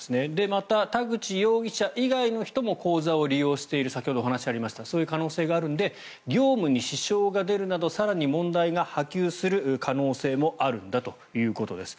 また、田口容疑者以外の人も口座を利用している先ほどお話がありましたがそういう可能性があるので業務に支障が出るなど更に問題が波及する可能性もあるんだということです。